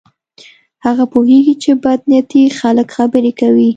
هغه پوهیږي چې بد نیتي خلک خبرې کوي.